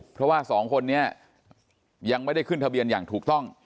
เพราะว่าสองคนนี้ยังไม่ได้ขึ้นทะเบียนอย่างถูกต้อง